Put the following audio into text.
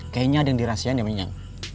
kayaknya ada yang dirahasiakan sama iyan